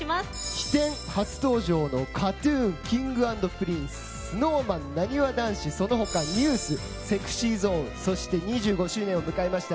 飛天初登場のＫＡＴ‐ＴＵＮＫｉｎｇ＆ＰｒｉｎｃｅＳｎｏｗＭａｎ、なにわ男子その他、ＮＥＷＳＳｅｘｙＺｏｎｅそして２５周年を迎えた